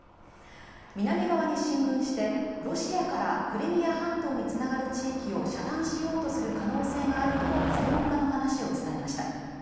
南側に進軍してロシアからクリミア半島に繋がる地域を遮断しようとする可能性があるとの専門家の話を伝えました。